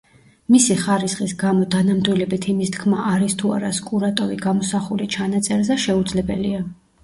მისი ხარისხის გამო, დანამდვილებით იმის თქმა, არის თუ არა სკურატოვი გამოსახული ჩანაწერზე, შეუძლებელია.